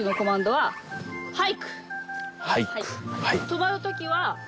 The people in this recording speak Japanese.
はい。